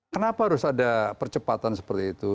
kenapa harus ada percepatan seperti itu